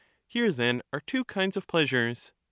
Here then are two kinds of pleasures.